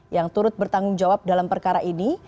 yang turut bertanggung jawab dalam perkara ini